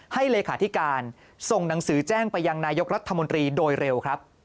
เลขาธิการส่งหนังสือแจ้งไปยังนายกรัฐมนตรีโดยเร็วครับ